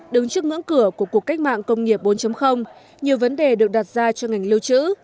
đứng trước ngưỡng cửa của cuộc cách mạng công nghiệp bốn nhiều vấn đề được đặt ra cho ngành lưu trữ